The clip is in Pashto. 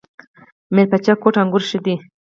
میربچه کوټ انګور ښه دي؟